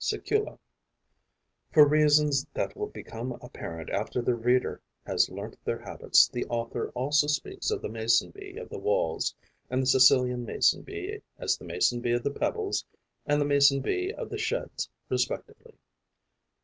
sicula) (For reasons that will become apparent after the reader has learnt their habits, the author also speaks of the Mason bee of the Walls and the Sicilian Mason bee as the Mason bee of the Pebbles and the Mason bee of the Sheds respectively.